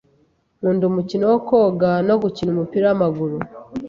Nkunda umukino wo koga no gukina umupira w’amaguru.